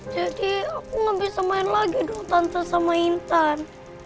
jadi aku gak bisa main lagi dong tante sama intan